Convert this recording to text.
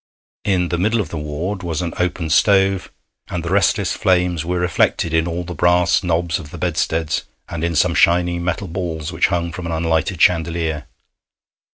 In the middle of the ward was an open stove, and the restless flames were reflected in all the brass knobs of the bedsteads and in some shining metal balls which hung from an unlighted chandelier.